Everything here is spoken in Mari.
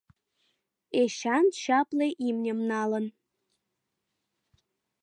Эчан чапле имньым налын.